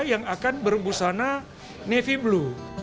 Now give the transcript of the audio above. yang akan berbusana navy blue